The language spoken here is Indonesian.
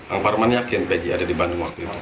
pak parman yakin peggy ada di bandung waktu itu